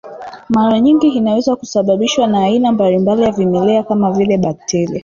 Mara nyingi inaweza kusababishwa na aina mbalimbali ya vimelea kama vile bakteria